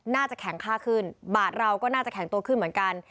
น่าจะแข็งค่าขึ้นบาทเราก็น่าจะแข็งตัวขึ้นเหมือนกัน